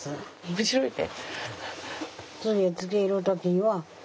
面白いね。